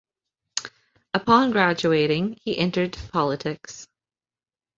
Upon graduating, he entered politics.